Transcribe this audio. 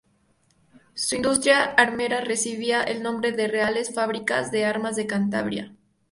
Su industria armera recibía el nombre de Reales Fábricas de Armas de Cantabria.